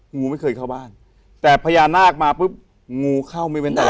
งูไม่เคยเข้าบ้านแต่พญานาคมาปุ๊บงูเข้าไม่เว้นตาย